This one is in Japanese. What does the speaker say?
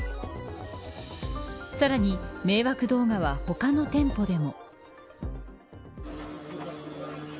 さらに、迷惑動画は他の店舗でも。